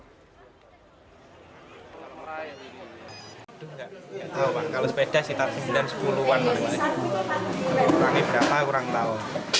kurangnya berapa kurang tahu